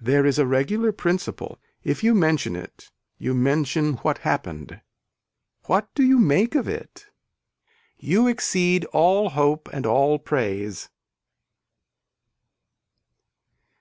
There is a regular principle, if you mention it you mention what happened. What do you make of it. You exceed all hope and all praise.